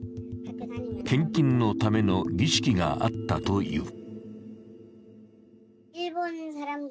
献金のための儀式があったという。